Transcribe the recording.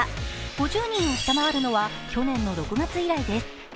５０人を下回るのは去年の６月以来です。